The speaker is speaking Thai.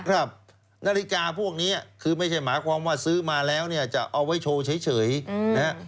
นาฬิกาพวกนี้คือไม่ใช่หมายความว่าซื้อมาแล้วเนี่ยจะเอาไว้โชว์เฉยนะฮะ